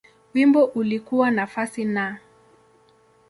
Wimbo ulikuwa nafasi Na.